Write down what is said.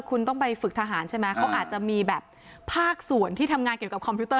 คุณต้องไปฝึกทหารใช่ไหมเขาอาจจะมีแบบภาคส่วนที่ทำงานเกี่ยวกับคอมพิวเต